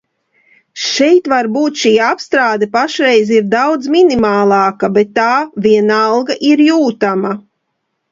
Šeit varbūt šī apstrāde pašreiz ir daudz minimālāka, bet tā, vienalga, ir jūtama.